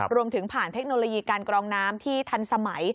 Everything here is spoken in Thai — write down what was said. รวมถึงผ่านเทคโนโลยีการกรองน้ำที่ทันสมัย